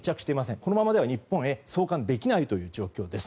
このままでは日本へ送還できない状況です。